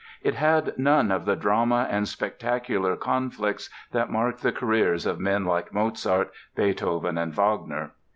It had none of the drama and spectacular conflicts that marked the careers of men like Mozart, Beethoven, and Wagner.